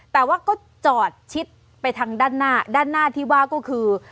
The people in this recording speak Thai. แต่ว่าก็จอดชิดไปทางด้านหน้าด้านหน้าที่ว่าก็คือ